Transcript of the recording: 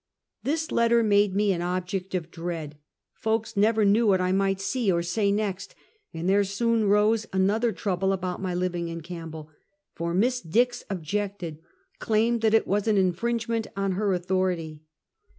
This letter made me an object of dread. Folks never knew what I might see or say next; and there soon arose another trouble about my living in Camp bell; for Miss Dix objected, claimed that it was an in fringement on her authority.